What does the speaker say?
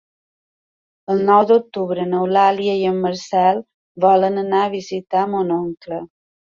El nou d'octubre n'Eulàlia i en Marcel volen anar a visitar mon oncle.